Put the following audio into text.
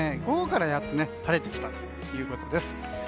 午後からやっと晴れてきたということです。